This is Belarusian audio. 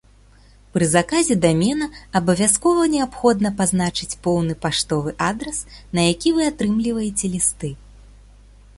Пры заказе дамена абавязкова неабходна пазначыць поўны паштовы адрас, на які вы атрымліваеце лісты.